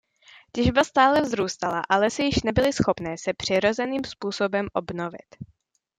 Těžba stále vzrůstala a lesy již nebyly schopné se přirozeným způsobem obnovit.